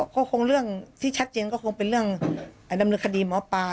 ก็คงเรื่องที่ชัดเจนก็คงเป็นเรื่องดำเนินคดีหมอปลา